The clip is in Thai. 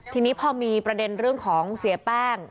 ทีนี้พอมีประเด็นเรื่องของเสียแป้ง